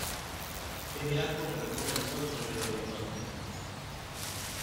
Es el arco que recorre el sol sobre el horizonte.